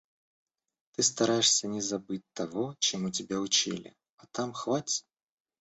Ты стараешься не забыть того, чему тебя учили, а там - хвать!